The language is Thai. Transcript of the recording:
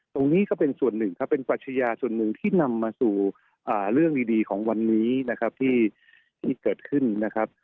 ตรงนี้ก็เป็นส่วนหนึ่งครับเป็นปรัชญาส่วนหนึ่งที่นำมาสู่เรื่องดีของวันนี้นะครับที่เกิดขึ้นนะครับ